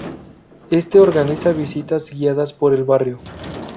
Este organiza visitas guiadas por el barrio.